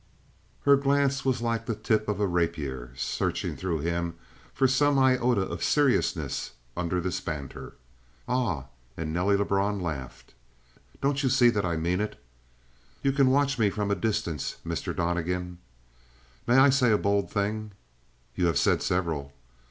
Her glance was like the tip of a rapier, searching him through for some iota of seriousness under this banter. "Ah?" and Nelly Lebrun laughed. "Don't you see that I mean it?" "You can watch me from a distance, Mr. Donnegan." "May I say a bold thing?" "You have said several."